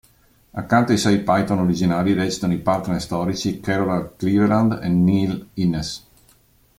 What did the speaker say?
Accanto ai sei Python originali recitano i "partner" storici Carol Cleveland e Neil Innes.